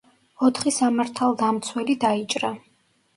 ოთხი სამართალდამცველი დაიჭრა.